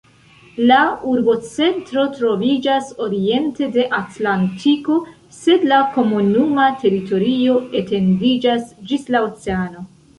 La urbocentro troviĝas oriente de Atlantiko, sed la komunuma teritorio etendiĝas ĝis la oceano.